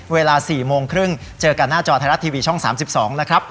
เวลา๔โมงครึ่งเจอกันหน้าจอไทยรัฐทีวีช่อง๓๒นะครับ